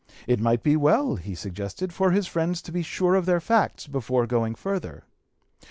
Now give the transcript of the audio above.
It might be well, he suggested, for his friends to be sure of their facts before going further.